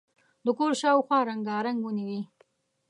د کور شاوخوا رنګارنګ ونې وې.